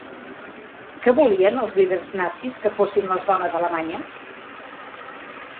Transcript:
Què volien els líders nazis que fossin les dones alemanyes?